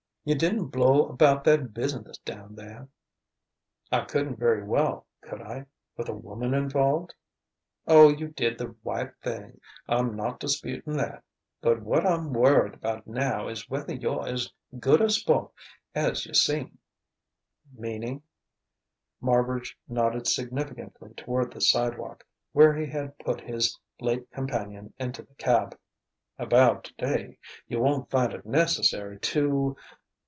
"You didn't blow about that business down there " "I couldn't very well could I? with a woman involved!" "Oh, you did the white thing: I'm not disputing that. But what I'm worried about now is whether you're as good a sport as you seem." "Meaning ?" Marbridge nodded significantly toward the sidewalk, where he had put his late companion into the cab. "About today: you won't find it necessary to